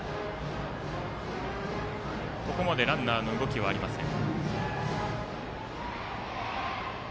ここまでランナーの動きはありません。